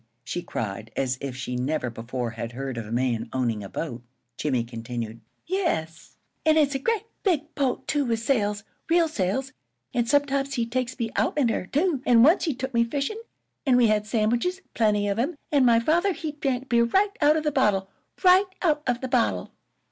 she cried, as if she never before had heard of a man owning a boat. Jimmie continued: "Yes, an' it's a grea' big boat, too, with sails, real sails; an' sometimes he takes me out in her, too; an' once he took me fishin', an' we had sandwiches, plenty of 'em, an' my father he drank beer right out of the bottle right out of the bottle!"